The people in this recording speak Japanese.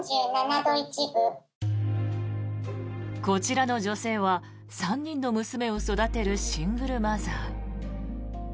こちらの女性は３人の娘を育てるシングルマザー。